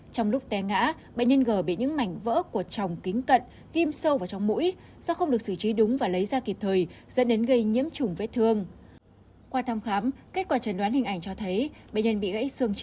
trong lúc té ngã bệnh nhân g bị những mảnh vỡ của tròng kính cận kim sâu vào trong mũi do không được xử trí đúng và lấy ra kịp thời dẫn đến gây nhiễm chủng vết thương